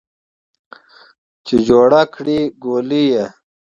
چې جوړه کړې ګولۍ یې